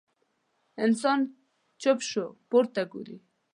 انسان چوپ شو، پورته ګوري.